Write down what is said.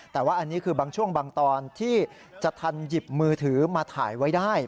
แต่ว่าอันนี้คือบางช่วงบางตอนที่จะทันหยิบมือถือมาถ่ายไว้ได้